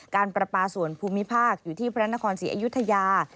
การประปาส่วนภูมิภาคอยู่ที่พระนครศรีอยุธยา